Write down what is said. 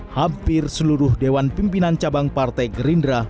hampir seluruh dewan pimpinan cabang partai gerindra